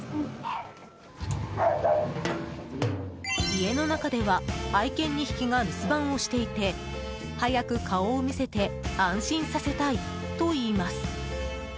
家の中では愛犬２匹が留守番をしていて早く顔を見せて安心させたいといいます。